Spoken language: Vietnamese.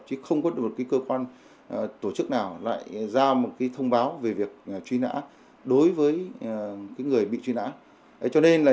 chứ không có một cơ quan tổ chức nào lại ra một thông báo về việc truy nã đối với người bị truy nã